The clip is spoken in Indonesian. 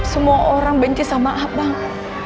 semua orang benci sama abang